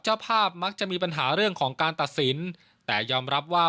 เจ้าภาพมักจะมีปัญหาเรื่องของการตัดสินแต่ยอมรับว่า